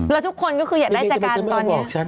แล้วทุกคนก็คืออยากได้ใจกันตอนนี้